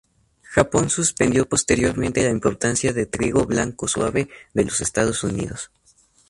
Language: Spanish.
Japón suspendió posteriormente la importación de trigo blanco suave de los Estados Unidos.